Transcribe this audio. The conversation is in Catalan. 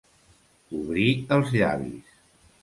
Obrir els llavis.